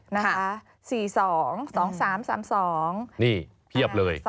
นี่เพียบเลย